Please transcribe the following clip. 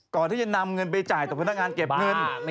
ก่อนที่จะนำเงินไปจ่ายต่อพนักงานเก็บเงิน